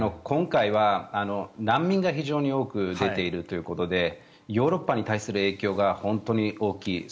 今回は難民が非常に多く出ているということでヨーロッパに対する影響が本当に大きい。